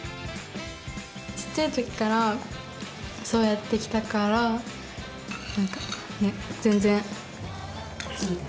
ちっちゃいときからそうやってきたからなんかね全然普通です。